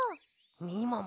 みもも